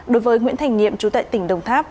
đối với nguyễn thành nhiệm trú tại tỉnh đồng tháp